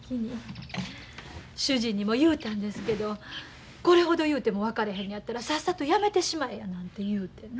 主人にも言うたんですけど「これほど言うても分からへんのやったらさっさとやめてしまえ」やなんて言うてな。